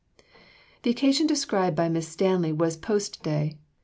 The occasion described by Miss Stanley was post day.